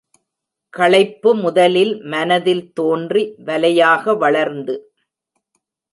களைப்பு முதலில் மனதில் தோன்றி வலையாக வளர்ந்து.